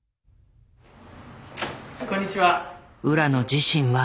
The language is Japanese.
こんにちは。